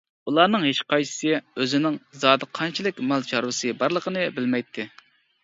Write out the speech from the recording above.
ئۇلارنىڭ ھېچقايسىسى ئۆزىنىڭ زادى قانچىلىك مال-چارۋىسى بارلىقىنى بىلمەيتتى.